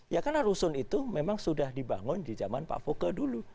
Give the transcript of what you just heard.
ya karena rusun itu memang sudah dibangun di zaman pak foke dulu